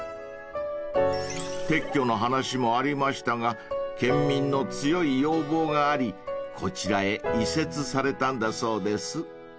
［撤去の話もありましたが県民の強い要望がありこちらへ移設されたんだそうです］